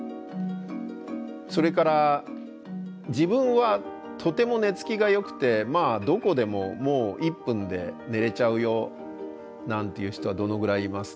それから自分はとても寝つきがよくてどこでも１分で寝れちゃうよなんていう人はどのぐらいいますかね？